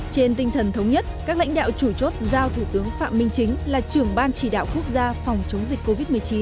trên tinh thần thống nhất các lãnh đạo chủ chốt giao thủ tướng phạm minh chính là trưởng ban chỉ đạo quốc gia phòng chống dịch covid một mươi chín